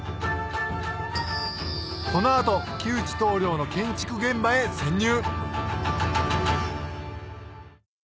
この後木内棟梁の建築現場へ潜入！